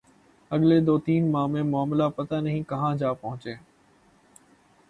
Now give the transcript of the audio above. اگلے دو تین ماہ میں معاملات پتہ نہیں کہاں جا پہنچیں۔